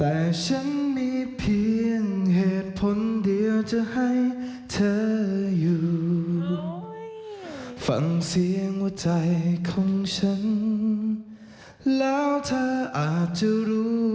ไม่เหมือนกับเวลาพูดคือไม่มีพองแดงเลย